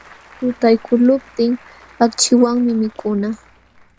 Tutaykuqluptin akchiwanmi mikuna.